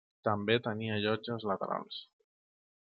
També tenia llotges laterals.